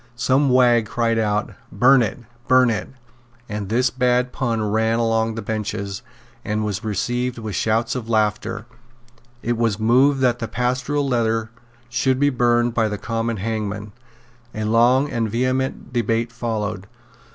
Some wag cried out, "Burn it; burn it;" and this bad pun ran along the benches, and was received with shouts of laughter. It was moved that the Pastoral Letter should be burned by the common hangman. A long and vehement debate followed.